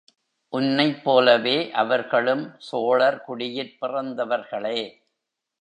உன்னைப் போலவே, அவர்களும் சோழர் குடியிற் பிறந்தவர்களே.